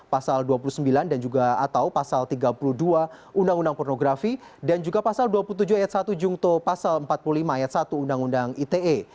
pasal dua puluh sembilan dan juga atau pasal tiga puluh dua undang undang pornografi dan juga pasal dua puluh tujuh ayat satu jungto pasal empat puluh lima ayat satu undang undang ite